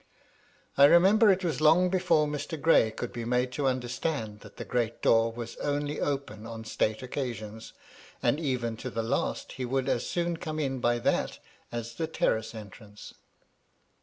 I remember it was long before Mr. Gray could be made to understand that the great door was only opened on state occasions, an^ even to the last he would as soon come in by that as the terrace entrance.